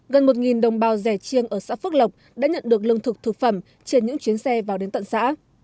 gần một đồng bào rẻ chiêng ở xã phước lộc đã nhận được lương thực thực phẩm trên những chuyến xe vào đến tận xã